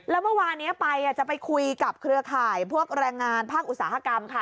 แล้วเมื่อวานนี้ไปจะไปคุยกับเครือข่ายพวกแรงงานภาคอุตสาหกรรมค่ะ